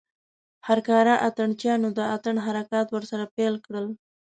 هر کاره اتڼ چيانو د اتڼ حرکات ورسره پيل کړل.